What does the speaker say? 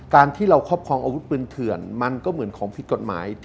การที่เราครอบครองอาวุธปืนเถื่อนมันก็เหมือนของผิดกฎหมาย